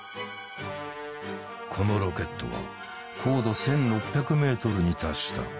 このロケットは高度１，６００ｍに達した。